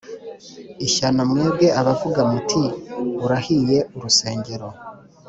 ishyano mwebwe abavuga muti Urahiye urusengero